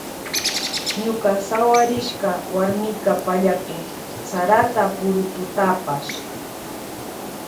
Ñuka sawarishka warmika pallakun sarata purututapash.